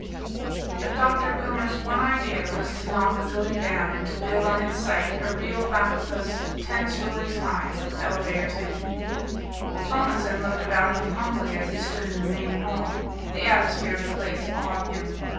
But Dr. Boomer's one idea was to knock the building down and to build on its site a real facultas ten storeys high, with elevators in it. Tomlinson looked about him humbly as he stood in the main hall. The atmosphere of the place awed him.